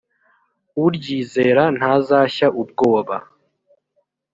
uryizera ntazashya ubwoba